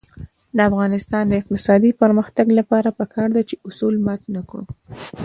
د افغانستان د اقتصادي پرمختګ لپاره پکار ده چې اصول مات نکړو.